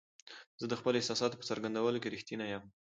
زه د خپلو احساساتو په څرګندولو کې رښتینی یم.